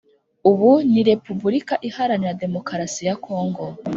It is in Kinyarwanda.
Ubu ni repubulika iharanira demokarasi ya kongo